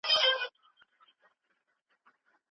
د پلار ستړې څېره د هغه د لويې سیند او مېړانې نښه ده.